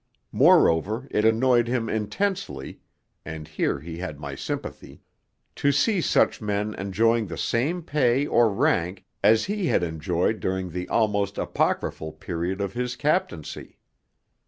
Moreover, it annoyed him intensely (and here he had my sympathy) to see such men enjoying the same pay or rank as he had enjoyed during the almost apocryphal period of his captaincy.